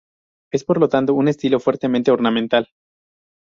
Es por lo tanto un estilo fuertemente ornamental.